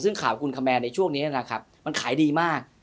ซึ่งข่าวกุลคแมนในช่วงนี้นะครับมันขายดีมาก